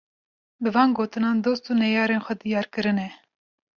Bi van gotinan dost û neyarên xwe diyar kirine